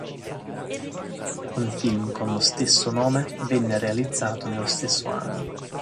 Un film con lo stesso nome venne realizzato nello stesso anno.